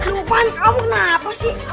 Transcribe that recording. lupaan kamu kenapa sih